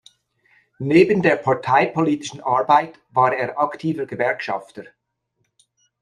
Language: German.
Neben der parteipolitischen Arbeit war er aktiver Gewerkschafter.